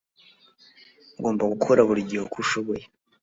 Ugomba gukora buri gihe uko ushoboye